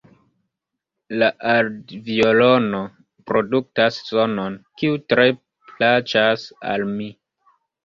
La aldviolono produktas sonon, kiu tre plaĉas al mi.